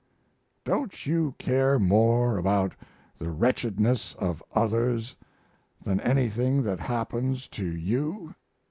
Don't you care more about the wretchedness of others than anything that happens to you?'